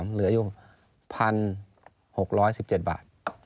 เหลืออยู่๑๖๑๗บาท